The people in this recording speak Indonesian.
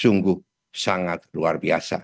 sungguh sangat luar biasa